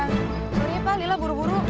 sebenarnya pak lila buru buru